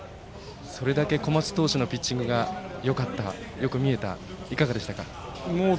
それだけ小松投手のピッチングがよかったよく見えたいかがでしたか？